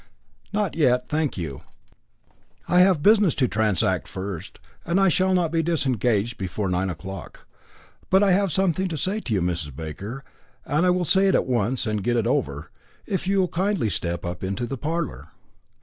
"Not yet, thank you. I have business to transact first, and I shall not be disengaged before nine o'clock. But I have something to say to you, Mrs. Baker, and I will say it at once and get it over, if you will kindly step up into my parlour."